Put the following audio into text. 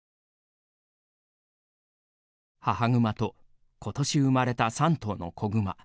母グマとことし生まれた３頭の子グマ。